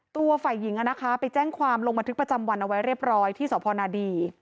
ตัวฝ่ายหญิงไปแจ้งความลงบันทึกประจำวันเอาไว้เรียบร้อยที่สพนดี